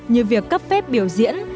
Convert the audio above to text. như việc cấp phép biểu diễn